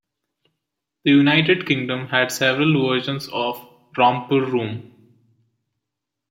The United Kingdom had several versions of "Romper Room".